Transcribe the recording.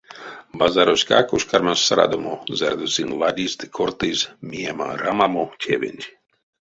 Базароськак уш кармась срадомо, зярдо сынь ладизь ды кортызь миема-рамамо тевенть.